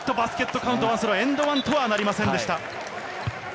バスケットカウントワンスロー、エンド１とはなりませんでした。